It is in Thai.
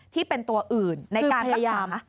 ที่เป็นตัวอื่นในการรักษา